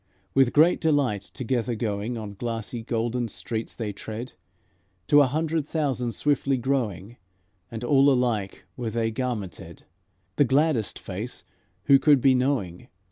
With great delight together going On glassy golden streets they tread; To a hundred thousand swiftly growing, And all alike were they garmented: The gladdest face who could be knowing?